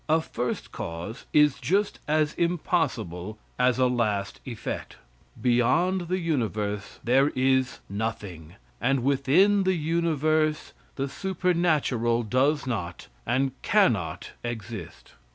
A first cause is just as impossible as a last effect. Beyond the universe there is nothing, and within the universe the supernatural does not and cannot exist.